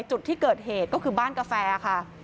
จุดที่เกิดเหตุก็คือบ้านกาแฟค่ะ